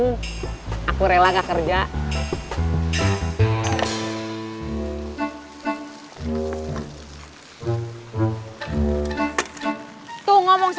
kita cuma sebentar aja ketemunya